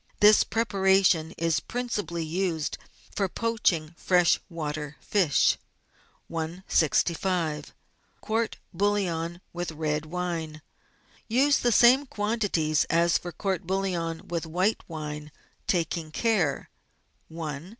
This prepara tion is principally used for poaching fresh water fish. i65 COURT=BOUILLON WITH RED WINE Use the same quantities as for court bouillon with white wine, taking care — I.